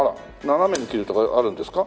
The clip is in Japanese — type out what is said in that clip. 斜めに切るとかあるんですか？